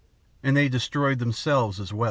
And they destroyed themselves as well.